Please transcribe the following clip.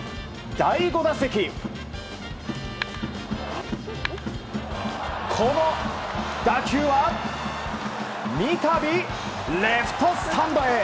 第５打席、この打球は三度、レフトスタンドへ！